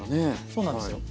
そうなんですよ。